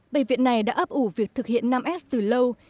bệnh viện này đã ấp ủ việc thực hiện năm s từ lâu